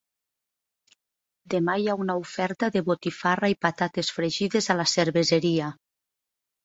Demà hi ha una oferta de botifarra i patates fregides a la cerveseria.